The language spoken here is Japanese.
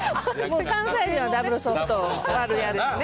関西人はダブルソフトあるあるですね。